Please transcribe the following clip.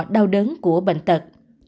đau đớn của bệnh tật